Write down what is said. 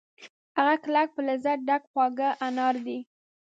هغه کلک په لذت ډک خواږه انار دي